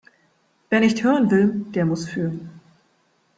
Wer nicht hören will, der muss fühlen.